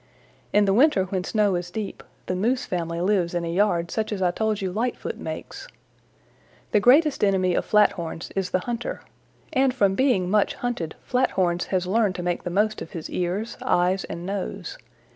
In the winter when snow is deep, the Moose family lives in a yard such as I told you Lightfoot makes. The greatest enemy of Flathorns is the hunter, and from being much hunted Flathorns has learned to make the most of his ears, eyes and nose.